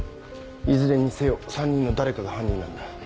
いずれにせよ３人の誰かが犯人なんだ。